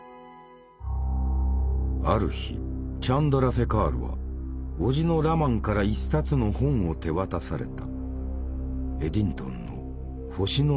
ある日チャンドラセカールは叔父のラマンから一冊の本を手渡された。